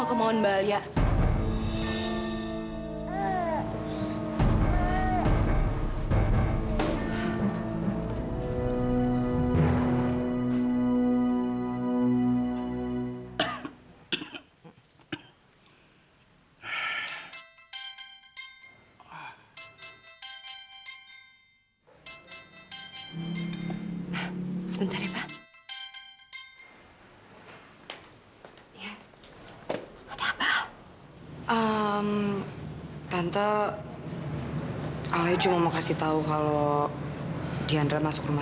kamu yang sudah menyebabkan ini semua